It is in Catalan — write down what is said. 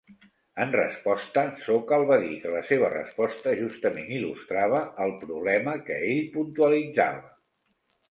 En resposta, Sokal va dir que la seva resposta justament il·lustrava el problema que ell puntualitzava.